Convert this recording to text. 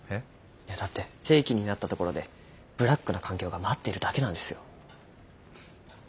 いやだって正規になったところでブラックな環境が待っているだけなんですよ。